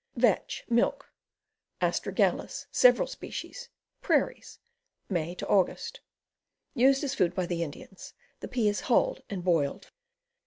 Vetch, Milk. Astragalus, several species. Prairies. May Aug. Used as food by the Indians. The pea is huUed and boiled.